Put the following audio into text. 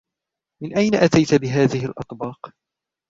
من أين أتيت بهذه الأطباق ؟